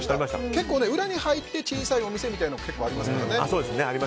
結構、裏に入って小さいお店みたいなの結構ありますから。